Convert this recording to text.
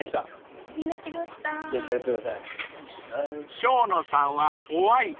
［生野さんはホワイト］